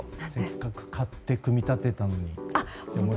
せっかく買って組み立てたのに。